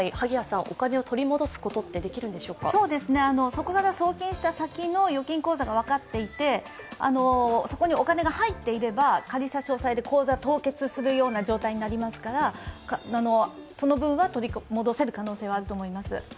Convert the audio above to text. そこから送金した先の預金口座が分かっていてそこにお金が入っていれば、仮差し押さえで口座凍結するような状態になりますから、その分は取り戻せる可能性はあります。